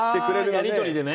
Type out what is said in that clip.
やり取りでね。